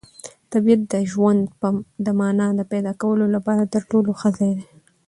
طبیعت د ژوند د مانا د پیدا کولو لپاره تر ټولو ښه ځای دی.